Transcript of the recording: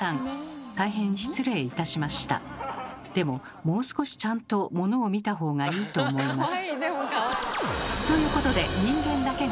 でももう少しちゃんとものを見た方がいいと思います。